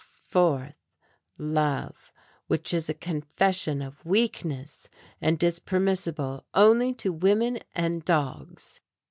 Fourth, love, which is a confession of weakness, and is permissible only to women and dogs."